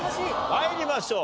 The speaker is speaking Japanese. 参りましょう。